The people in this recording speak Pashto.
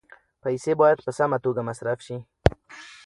پیسې باید په سمه توګه مصرف شي.